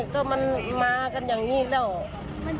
ก็มันมากันอย่างนี้แล้ว